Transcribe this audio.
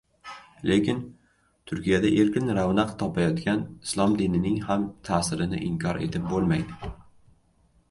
lekin Turkiyada erkin ravnaq topayotgan islom dinining ham ta’sirini inkor etib bo‘lmaydi.